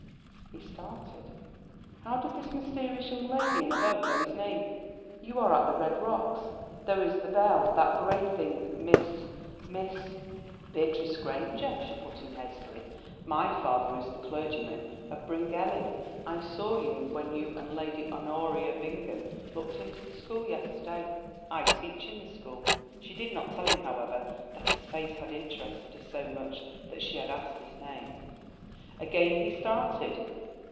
He started. How did this mysterious young lady in a boat know his name? "You are at the Red Rocks; there is the bell, that grey thing, Miss—Miss——" "Beatrice Granger," she put in hastily. "My father is the clergyman of Bryngelly. I saw you when you and Lady Honoria Bingham looked into the school yesterday. I teach in the school." She did not tell him, however, that his face had interested her so much that she had asked his name. Again he started.